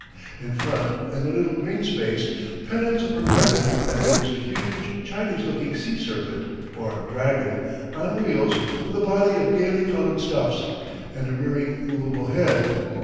In front, in the little green space, pennons were planted and there was a huge Chinese looking sea serpent, or dragon, on wheels, with a body of gaily coloured stuffs, and a rearing movable head.